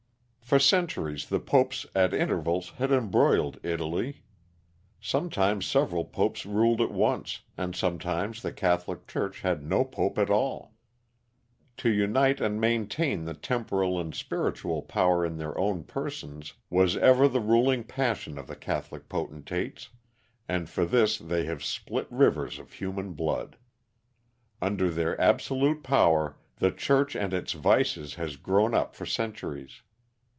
"For centuries the popes at intervals had embroiled Italy. Sometimes several popes ruled at once, and sometimes the Catholic Church had no pope at all. To unite and maintain, the temporal and spiritual power in their own persons was ever the ruling passion of the Catholic potentates; and for this they have spilt rivers of human blood. Under their absolute power the Church and its vices has grown up for centuries.